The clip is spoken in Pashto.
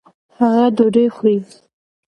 هغه ډوډۍ خوري.